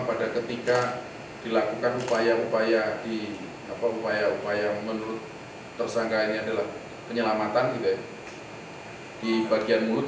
pada ketika dilakukan upaya upaya menurut tersangka ini adalah penyelamatan di bagian mulut